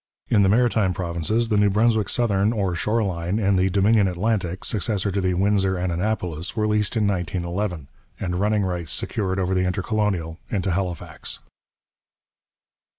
In the Maritime Provinces the New Brunswick Southern or Shore line and the Dominion Atlantic, successor to the Windsor and Annapolis, were leased in 1911, and running rights secured over the Intercolonial into Halifax.